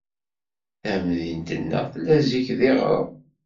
Tamdint-nneɣ tella zik d iɣrem.